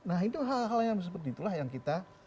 nah itu hal hal yang seperti itulah yang kita